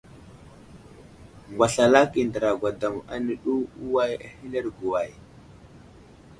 Ŋgwaslalaki andra gwadam yo áne ɗu, uway ahelerge way ?